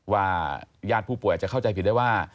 ญาติผู้ป่วยอาจจะเข้าใจผิดได้ว่า